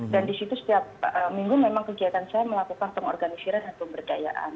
dan di situ setiap minggu memang kegiatan saya melakukan pengorganisiran dan pemberdayaan